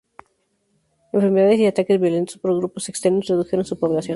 Enfermedades y ataques violentos por grupos externos redujeron su población.